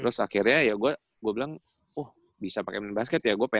terus akhirnya ya gua bilang oh bisa pake main basket ya